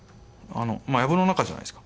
やぶの中じゃないですか。